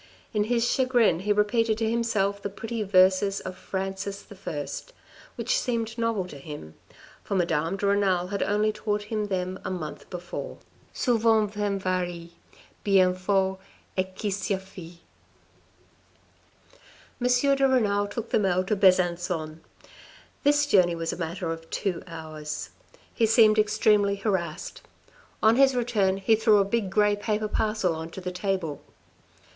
In his chagrin he repeated to himself the pretty verses of Francis I. which seemed novel to him, for Madame de Renal had only taught him them a month before : Souvent femme varie Bien fol est qui s'y fie. M. de Renal took the mail to Besancon. This journey was a matter of two hours. He seemed extremely harassed. On his return he threw a big grey paper parcel on the table.